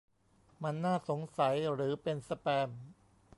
มันน่าสงสัยหรือเป็นสแปม